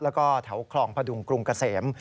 แล้วก็แถวคลองพดุงกรุงเกษม